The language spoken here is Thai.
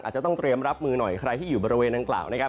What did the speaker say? จะต้องเตรียมรับมือหน่อยใครที่อยู่บริเวณดังกล่าวนะครับ